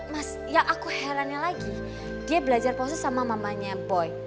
mas yang aku herannya lagi dia belajar pose sama mamanya boy